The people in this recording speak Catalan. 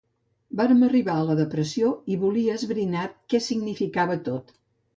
Vàrem arribar a la depressió i volia esbrinar què significava tot.